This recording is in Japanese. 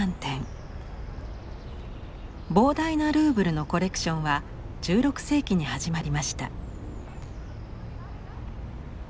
膨大なルーブルのコレクションは１６世紀に始まりました。